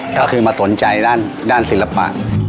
ก็คือมาสนใจด้านศิลปะ